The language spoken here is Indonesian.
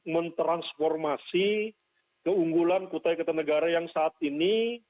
mentransformasi keunggulan kutai kartanegara yang saat ini